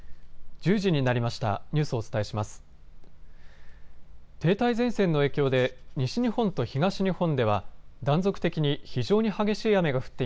１０時になりました。